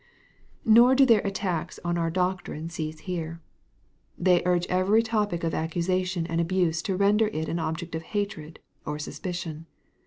Nor do their attacks on our doctrine cease here; they urge every topic of accusation and abuse to render it an object of hatred or suspicion.